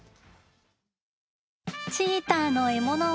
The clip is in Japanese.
チーターの獲物を。